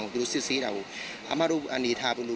มันไม่ใช่แหละมันไม่ใช่แหละ